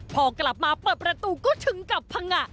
พอกลับมาเปิดประตูก็ถึงกับพังงะ